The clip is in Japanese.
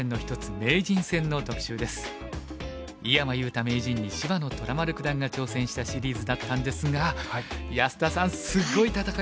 名人に芝野虎丸九段が挑戦したシリーズだったんですが安田さんすっごい戦いでしたが見てましたか？